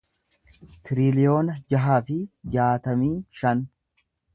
tiriliyoona jaha fi jaatamii shan